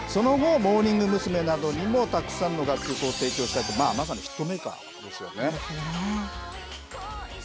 その後モーニング娘。などにもたくさんの楽曲を提供したまさにヒットメーカーですよね。